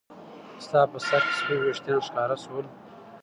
ستا په سر کې سپین ويښتان ښکاره شول.